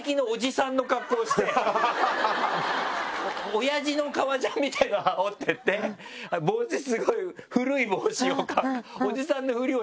オヤジの革ジャンみたいなの羽織っていって帽子スゴい古い帽子をおじさんのふりをして行ったの。